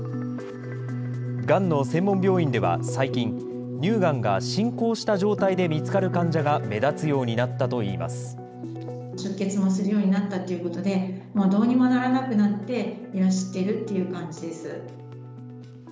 がんの専門病院では最近、乳がんが進行した状態で見つかる患者が目立つようになったといいます。